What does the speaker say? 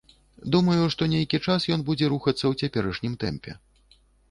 Думаю, што нейкі час ён будзе рухацца ў цяперашнім тэмпе.